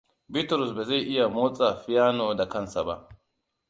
Bitrus ba zai iya motsa fiano da kansa ba.